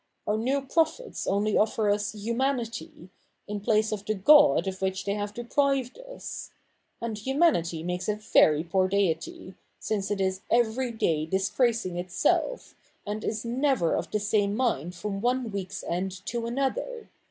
Our new prophets only offer us Humanity, in place of the God of which they have deprived us. And Humanity makes a very poor Deity, since it is every day disgracing itself, and is never of the same CH. iv] THE NEW REPUBLIC 5^ mind from one week's end to another.